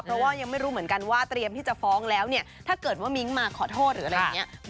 เพราะว่ายังไม่รู้เหมือนกันว่าเตรียมที่จะฟ้องแล้วเนี่ยถ้าเกิดว่ามิ้งมาขอโทษหรืออะไรอย่างนี้